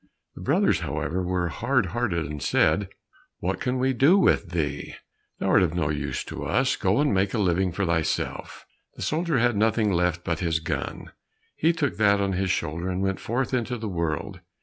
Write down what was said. The brothers, however, were hard hearted and said, "What can we do with thee? thou art of no use to us; go and make a living for thyself." The soldier had nothing left but his gun; he took that on his shoulder, and went forth into the world.